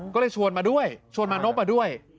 ก็เลยชวนมาด้วยชวนมานพมาด้วย